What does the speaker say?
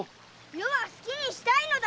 余は好きにしたいのだ！